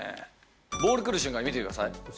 ボール来る瞬間、見てください。